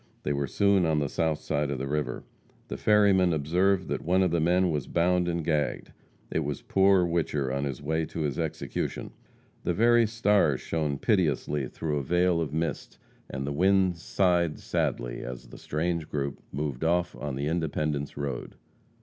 They were soon on the south side of the river. The ferryman observed that one of the men was bound and gagged. It was poor Whicher on his way to his execution. The very stars shone piteously through a veil of mist, and the winds sighed sadly as the strange group moved off on the Independence road.